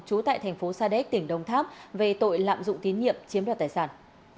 trú tại thành phố sa đéc tỉnh đông tháp về tội lạm dụng tín nhiệm chiếm đoạt tài sản